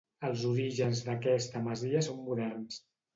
Els orígens d'aquesta masia són moderns.